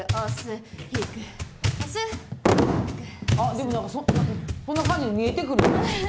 でもそんな感じに見えてくる。